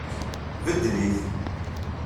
Beddel-it.